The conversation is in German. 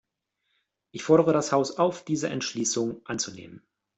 Ich fordere das Haus auf, diese Entschließung anzunehmen.